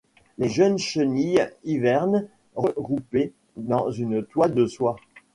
Les jeunes chenilles hivernent regroupées dans une toile de soie.